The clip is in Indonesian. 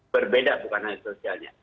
berbeda bukan hanya sosialnya